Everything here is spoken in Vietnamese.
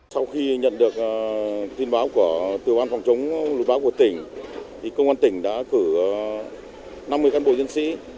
sau khi nhận được tin báo của tư văn phòng chống lưu báo của tỉnh thì công an tỉnh đã cử năm mươi cán bộ chiến sĩ